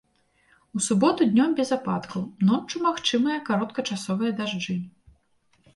У суботу днём без ападкаў, ноччу магчымыя кароткачасовыя дажджы.